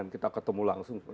kita ketemu langsung